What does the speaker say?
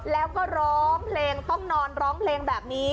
แล้วก็ร้องเพลงต้องนอนร้องเพลงแบบนี้